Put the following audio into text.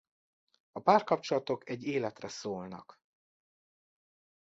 A párkapcsolatok egy életre szólnak.